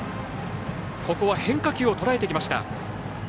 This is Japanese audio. ここは変化球をとらえていきました。